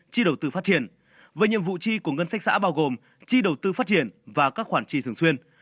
chi đầu tư phát triển và nhiệm vụ chi của ngân sách xã bao gồm chi đầu tư phát triển và các khoản chi thường xuyên